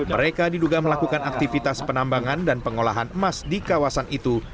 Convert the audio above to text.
mereka diduga melakukan aktivitas penambangan dan pengolahan emas di kawasan itu